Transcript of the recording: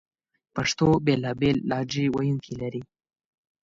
پښتو بېلابېل لهجې ویونکې لري